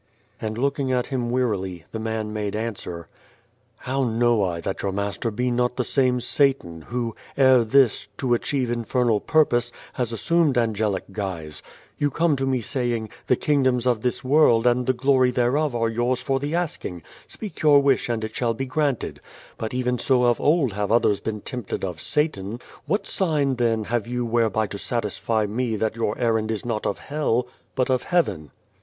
And looking at him wearily, the man made answer : "How know I that your master be not the same Satan who, ere this, to achieve infernal purpose, has assumed angelic guise ? You come to me saying, ' The kingdoms of this world and the glory thereof are yours for The Face the asking. Speak your wish and it shall be granted.' But even so of old have others been tempted of Satan. What sign then have you whereby to satisfy me that your errand is not of Hell, but of Heaven